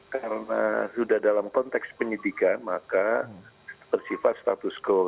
karena sudah dalam konteks penyidikan maka bersifat status quo